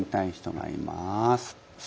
はい。